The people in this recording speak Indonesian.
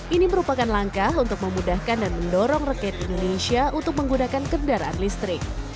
ini merupakan langkah untuk memudahkan dan mendorong rakyat indonesia untuk menggunakan kendaraan listrik